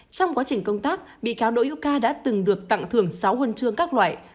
trong quá trình công tác bị cáo đỗ hữu ca đã từng được tặng thưởng sáu huân chương các loại